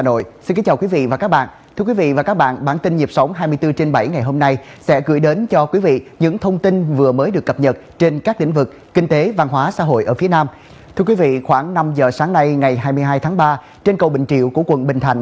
mời quý vị và các bạn cùng theo dõi bản tin nhịp sống hai mươi bốn trên bảy